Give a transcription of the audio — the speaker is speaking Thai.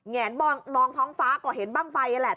แนนมองท้องฟ้าก็เห็นบ้างไฟนั่นแหละ